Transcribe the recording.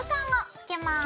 つけます。